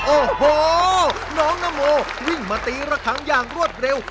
โอ้โหน้องนโมวิ่งมาตีระคังอย่างรวดเร็ว